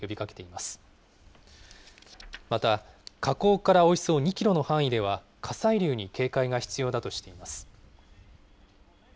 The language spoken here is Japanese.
また、火口からおよそ２キロの範囲では火砕流に警戒が必要だとしています。